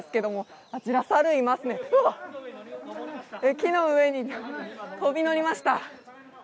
木の上に飛び乗りました。